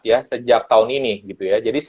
ya sejak tahun ini gitu ya jadi